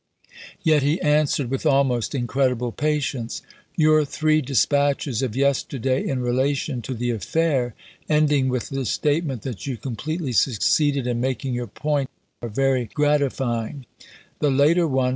Yet he answered with almost incredible patience : Your three dispatches of yesterday in relation to the affair, ending with the statement that you completely succeeded in making your point, are very gratifying. The later one